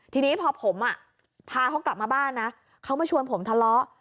ทีนี้พอผมพาเขากลับมาบ้านนะเขามาชวนผมทะเลาะ